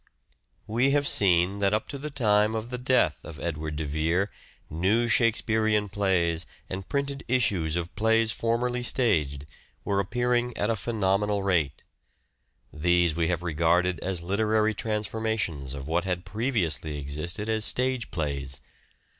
We have seen that up to the time of the death of An Edward de Vere new Shakespearean plays and printed issues of plays formerly staged were appearing at a phenomenal rate. These we have regarded as literary transformations of what had previously existed as stage plays.